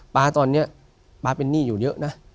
๊าตอนนี้ป๊าเป็นหนี้อยู่เยอะนะ